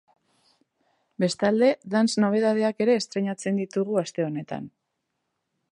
Bestalde, dance nobedadeak ere estreinatzen ditugu aste honetan.